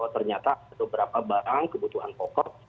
ternyata ada beberapa barang kebutuhan pokok